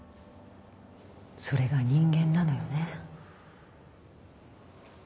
それが人間なのよね。